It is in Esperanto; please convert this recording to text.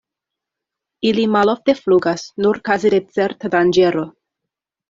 Ili malofte flugas, nur kaze de certa danĝero.